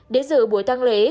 đến giữa buổi tăng lễ